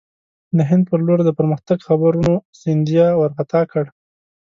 د هند پر لور د پرمختګ خبرونو سیندیا وارخطا کړ.